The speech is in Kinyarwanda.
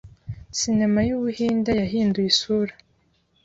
Cinema y’ubuhinde yahinduye isura